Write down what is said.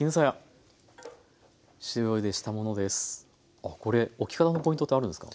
あっこれ置き方のポイントってあるんですか？